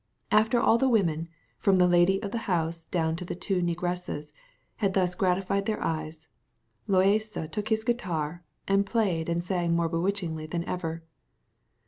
After all the women, from the lady of the house down to the two negresses, had thus gratified their eyes, Loaysa took his guitar, and played and sang more bewitchingly than ever.